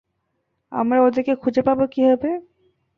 আমরা ওদেরকে খুঁজে পাব কিভাবে?